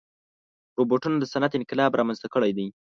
روبوټونه د صنعت انقلاب رامنځته کړی دی.